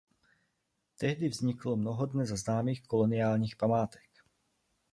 Tehdy vzniklo mnoho dnes známých koloniálních památek.